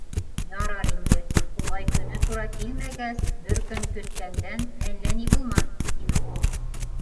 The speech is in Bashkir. — Ярар инде, улай көнө тура килмәгәс, бер көн көткәндән әллә ни булмаҫ, — тине ул.